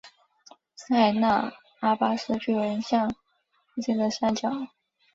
塞那阿巴斯巨人像附近的山脚。